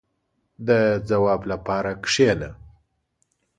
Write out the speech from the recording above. • د ځواب لپاره کښېنه.